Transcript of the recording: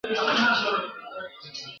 دوی تماشې ته ورلره راسي ..